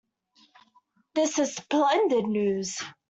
This is splendid news.